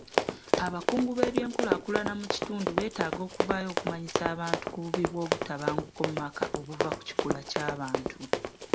Abakungu b'ebyenkulaakulana mu kitundu beetaaga okuvaayo okumanyisa abantu ku bubi bw'obutabanguko mu maka obuva ku kikula ky'abantu.